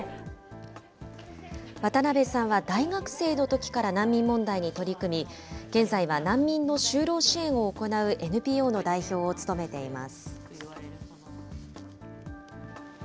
大学生のときから難民問題に取り組み、現在は難民の就労支援を行うＮＰＯの代表を務めています。